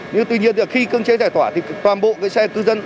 nhưng tuy nhiên khi cương chế giải tỏa thì toàn bộ xe cư dân